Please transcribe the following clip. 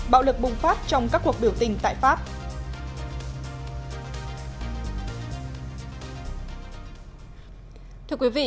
bạo lực bùng phát trong các cuộc biểu tình tại pháp